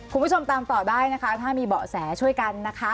คุณผู้ชมตามต่อได้นะคะถ้ามีเบาะแสช่วยกันนะคะ